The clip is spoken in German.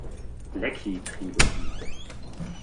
Blacky Trilogie